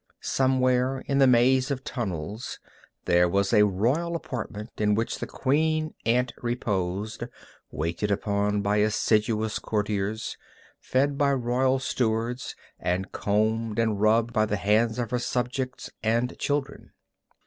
Somewhere in the maze of tunnels there was a royal apartment, in which the queen ant reposed, waited upon by assiduous courtiers, fed by royal stewards, and combed and rubbed by the hands of her subjects and children.